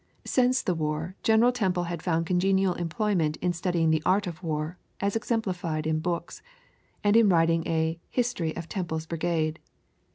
Since the war General Temple had found congenial employment in studying the art of war as exemplified in books, and in writing a History of Temple's Brigade.